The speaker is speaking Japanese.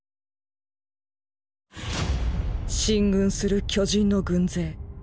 進軍する巨人の軍勢。